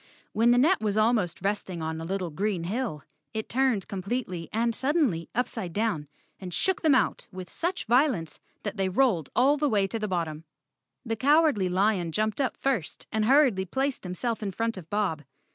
When the net was almost resting on a little green hill, it turned completely and suddenly upside down, and shook them out with such violence that they rolled all the way to the bottom. The Cow¬ ardly Lion jumped up first and hurriedly placed him¬ self in front of Bob.